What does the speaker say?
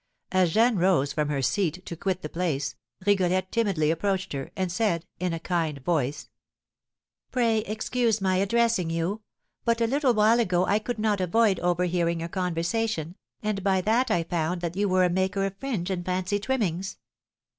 As Jeanne rose from her seat to quit the place, Rigolette timidly approached her, and said, in a kind voice: "Pray excuse my addressing you, but a little while ago I could not avoid overhearing your conversation, and by that I found that you were a maker of fringe and fancy trimmings."